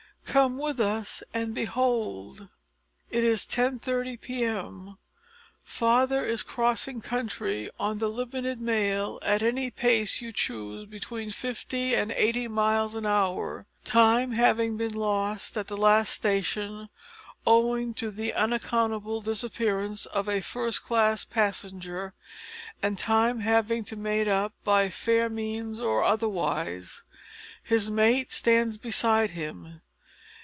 Come with us and behold. It is 10:30 p.m. Father is crossing country on the limited mail at any pace you choose between fifty and eighty miles an hour, time having been lost at the last station, owing to the unaccountable disappearance of a first class passenger, and time having to be made up by fair means or otherwise. His mate stands beside him.